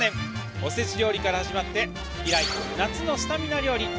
おせち料理から始まって以来、夏のスタミナ料理